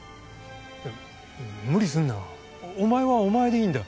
いや無理すんなお前はお前でいいんだ。